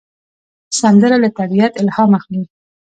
سندره له طبیعت الهام اخلي